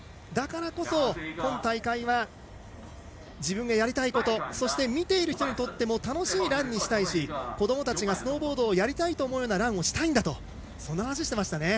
だからこそ今大会は自分がやりたいことそして、見ている人にとっても楽しいランにしたいし子どもたちがスノーボードをやりたいと思うようなランをしたいんだとそんな話をしていました。